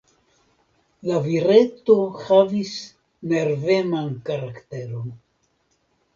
La vireto havis nerveman karakteron.